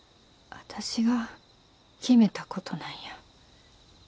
私が決めたことなんや。